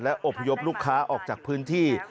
อบพยพลูกค้าออกจากพื้นที่